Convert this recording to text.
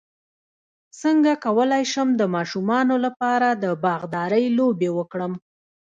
څنګه کولی شم د ماشومانو لپاره د باغدارۍ لوبې وکړم